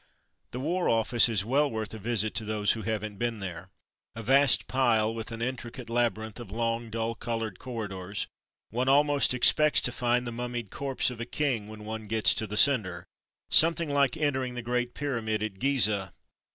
The War Office is well worth a visit to those who haven't been there. A vast pile with an intricate labyrinth of long, dull coloured corridors — one almost expects to find the mummied corpse of a king when one , gets to the centre — something like entering the Great Pyramid at Gizeh.